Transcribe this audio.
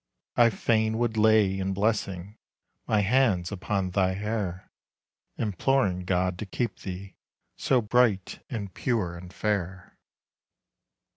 I fain would lay in blessing My hands upon thy hair, Imploring God to keep thee, So bright, and pure, and fair.